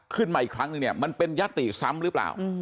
ขึ้นมาอีกครั้งนึงเนี่ยมันเป็นยติซ้ำหรือเปล่า